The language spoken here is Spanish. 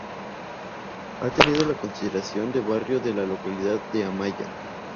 Ha tenido la consideración de barrio de la localidad de Amaya.